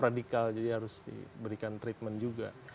jadi harus diberikan treatment juga